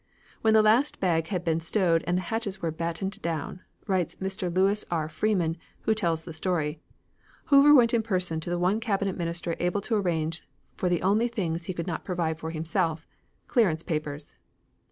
When the last bag had been stowed and the hatches were battened down (writes Mr. Lewis R. Freeman, who tells the story), Hoover went in person to the one Cabinet Minister able to arrange for the only things he could not provide for himself clearance papers.